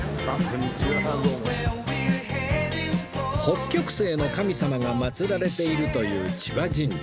北極星の神様が祀られているという千葉神社